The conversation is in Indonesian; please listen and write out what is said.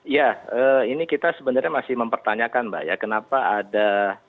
ya ini kita sebenarnya masih mempertanyakan mbak ya kenapa ada